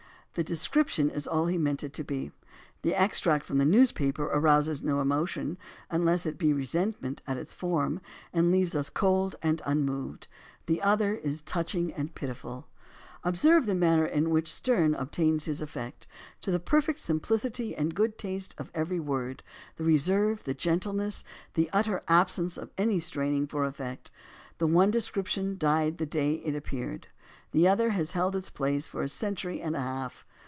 The description is all he meant it to be. The extract from the news paper arouses no emotion, unless it be resentment at its form, and leaves us cold and unmoved. The other is touching and pitiful. Observe the manner in which Sterne obtains his effect, the perfect simplicity and good taste of every word, the reserve, the gentleness, the utter absence of any straining for effect. The one de scription died the day it appeared. The other has held its place for a century and a half.